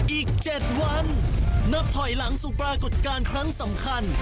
อีก๗วันนับถอยหลังสู่ปรากฏการณ์ครั้งสำคัญ